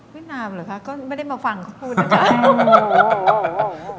เวียดนามหรือคะก็ไม่ได้มาฟังเขาพูดนะค่ะ